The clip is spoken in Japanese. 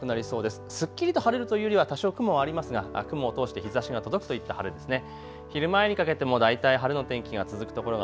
すっきりと晴れるというよりは多少、雲ありますが雲を通して日ざしが届くといった晴れですね。